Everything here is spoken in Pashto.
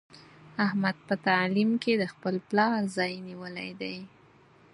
احمد په تعلیم کې د خپل پلار ځای نیولی دی.